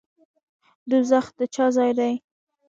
دوزخ د چا ځای دی؟